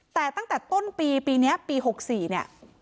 แต่ตั้งแต่ต้นปีปีนี้ปี๖๔เนี่ย